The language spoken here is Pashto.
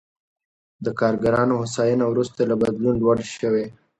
د کارګرانو هوساینه وروسته له بدلون لوړ شوې.